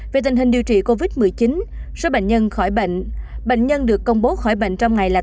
về tình hình điều trị covid một mươi chín số bệnh nhân khỏi bệnh bệnh nhân được công bố khỏi bệnh trong ngày là tám chín trăm bốn mươi năm ca